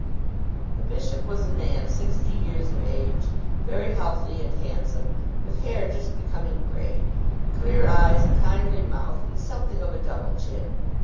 The bishop was a man sixty years of age, very healthy and handsome, with hair just becoming grey, clear eyes, a kindly mouth, and something of a double chin.